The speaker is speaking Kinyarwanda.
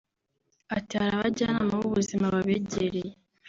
Ati “Hari abajyanama b’ubuzima babegereye